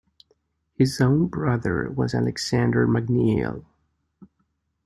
His own brother was Alexander McNeill.